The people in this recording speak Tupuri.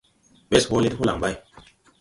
Ɓɛs hɔɔle ti holaŋ ɓay.